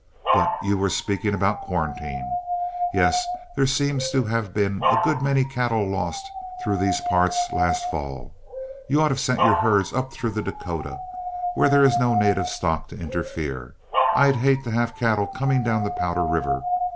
But you were speaking about quarantine. Yes; there seems to have been a good many cattle lost through these parts last fall. You ought to have sent your herds up through Dakota, where there is no native stock to interfere. I'd hate to have cattle coming down the Powder River.